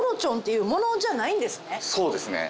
そうですね。